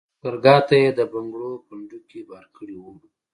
لښګرګاه ته یې د بنګړو پنډوکي بار کړي وو.